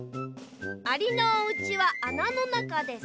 「アリのおうちはあなのなかです」。